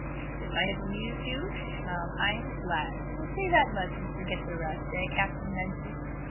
"If I have amused you," she smiled, "I am glad. We will say that much and forget the rest, eh, Captain Benson."